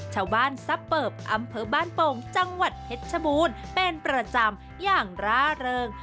สภาพซับเปิบอำเภอบ้านโป่งจังหวัดเพชรชบูรณ์เป็นประจำอย่างร่าเริง